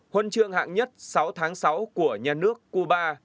huân chương hạng nhất sáu tháng sáu của nhà nước cuba